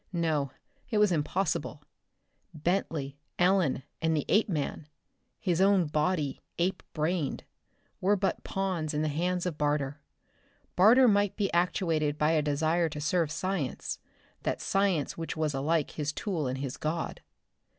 No, it was impossible. Bentley, Ellen, and the Apeman his own body, ape brained were but pawns in the hands of Barter. Barter might be actuated by a desire to serve science, that science which was alike his tool and his god.